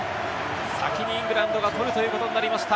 先にイングランドが取るということになりました。